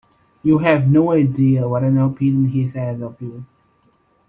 You have no idea what an opinion he has of you!